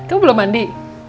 kamu belum mandi